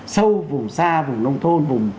sâu vùng xa vùng nông thôn vùng